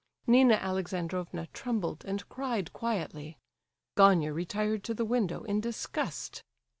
Nina Alexandrovna trembled, and cried quietly. Gania retired to the window in disgust.